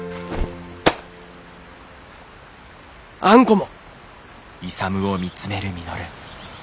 あんこも。